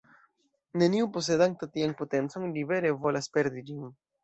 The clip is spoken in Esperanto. Neniu, posedanta tian potencon, libere volas perdi ĝin.